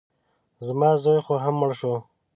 زما زوی خو هم مړ شو.